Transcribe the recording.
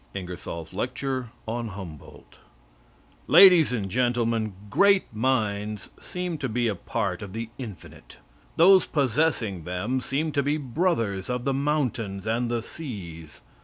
INGERSOLL'S LECTURE ON HUMBOLDT Ladies and Gentlemen: Great minds seem to be a part of the infinite. Those possessing them seem to be brothers of the mountains and the seas.